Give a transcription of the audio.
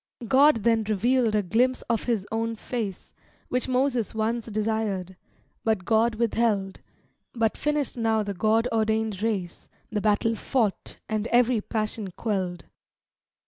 God then revealed a glimpse of His own face, Which Moses once desired, but God withheld, But finished now the God ordained race, The battle fought, and every passion quelled.